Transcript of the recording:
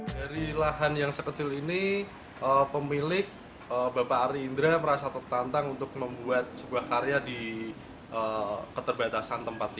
dari lahan yang sekecil ini pemilik bapak ari indra merasa tertantang untuk membuat sebuah karya di keterbatasan tempat tidur